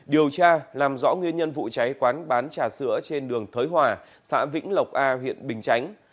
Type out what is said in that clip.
điều tra làm rõ nguyên nhân vụ cháy quán bán trà sữa trên đường thới hòa xã vĩnh lộc a huyện bình chánh